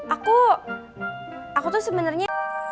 aku aku tuh sebenernya